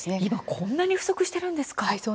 こんなに不足しているんですね。